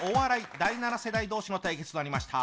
第７世代同士の対決となりました。